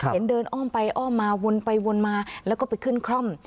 เห็นเดินอ้อมไปอ้อมมาวนไปวนมาแล้วก็ไปขึ้นคร่อม